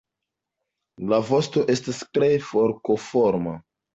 La vosto estas tre forkoforma.